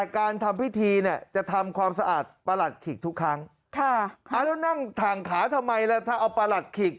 ขีกทุกครั้งค่ะแล้วนั่งถั่งขาทำไมแล้วถ้าเอาปาหลัดขีก